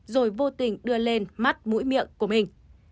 rồi vô tình đưa lên mắt mũi miệng của mình